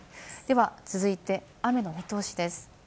では続いて、雨の見通しです。